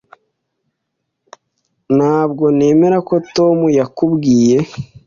Ntabwo nemera ko Tom yakubwiye.